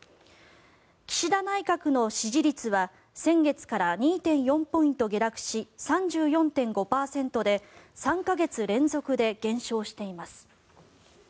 岸田内閣の支持率は先月から２．４ポイント下落し３４．５％で３か月連続で減少しています。